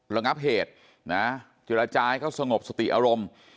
ระงับเหตุนะฮะจิลจายเขาสงบสติอารมณ์